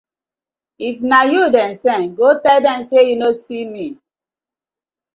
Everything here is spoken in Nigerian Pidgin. If na yu dem sen, go tell dem say yu no see me.